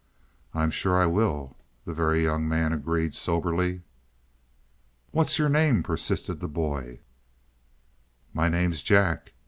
"I'm sure I will," the Very Young Man agreed soberly. "What's your name?" persisted the boy. "My name's Jack.